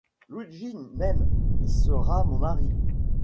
Luigi m’aime, il sera mon mari.